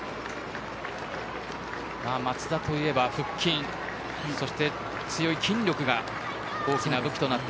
松田といえば腹筋そして強い筋力が大きな武器です。